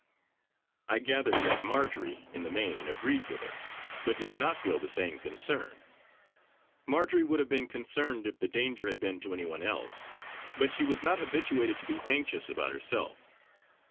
I gathered that Marjory in the main agreed with her; but did not feel the same concern. Marjory would have been concerned if the danger had been to anyone else; but she was not habituated to be anxious about herself.